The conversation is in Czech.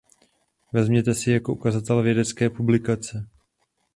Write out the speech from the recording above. Vezměme si jako ukazatel vědecké publikace.